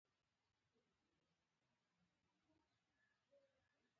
د کابل ښار سړکونه پراخیږي؟